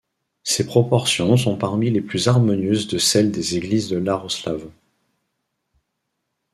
Ses proportions sont parmi les plus harmonieuses de celles des églises de Iaroslavl.